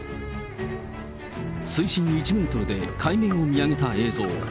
水深１メートルで海面を見上げた映像。